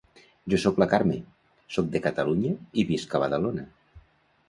Jo soc la Carme, soc de Catalunya i visc a Badalona.